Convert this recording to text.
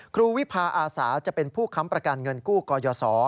วิพาอาสาจะเป็นผู้ค้ำประกันเงินกู้กยศ